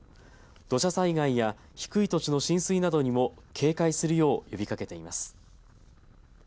土砂災害や低い土地の浸水などにも警戒するよう呼びかけています。